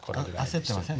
焦ってません？